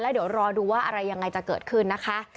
เดี๋ยวรอดูว่าอะไรยังไงจะเกิดขึ้นนะคะ